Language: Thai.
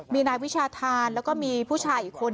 มีนายวิชาธานแล้วก็มีผู้ชายอีกคน